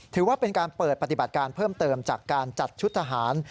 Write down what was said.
ถือว่าเป็นการเปิดปฏิบัติการเพิ่มเติมจากการจัดชุดทหาร